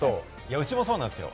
うちもそうなんですよ。